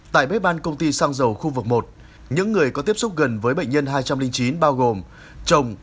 tại bếp ban công ty xăng dầu khu vực một những người có tiếp xúc gần với bệnh nhân hai trăm linh chín bao gồm chồng